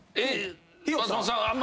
松本さん